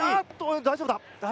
大丈夫だ。